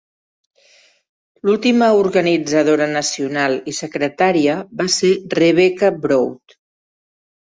L'última organitzadora nacional i secretària va ser Rebecca Broad.